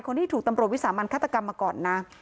ที่ถูกตำรวจวิสามันฆาตกรรมมาก่อนนะ